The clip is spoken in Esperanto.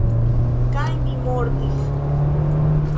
Kaj mi mortis.